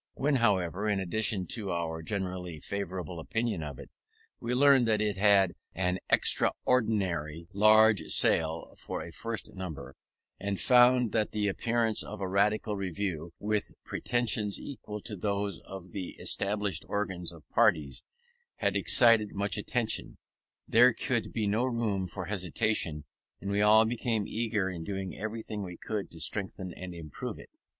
When, however, in addition to our generally favourable opinion of it, we learned that it had an extraordinary large sale for a first number, and found that the appearance of a Radical Review, with pretensions equal to those of the established organs of parties, had excited much attention, there could be no room for hesitation, and we all became eager in doing everything we could to strengthen and improve it.